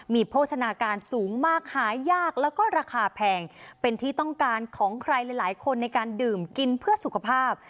มีโภชนาการสูงมากหายากแล้วก็ราคาแพงเป็นที่ต้องการของใครหลายคนในการดื่มกินเพื่อสุขภาพ